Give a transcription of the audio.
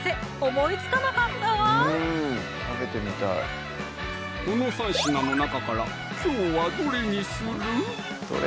思いつかなかったわこの３品の中からきょうはどれにする？